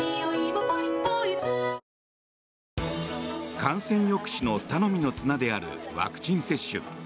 感染抑止の頼みの綱であるワクチン接種。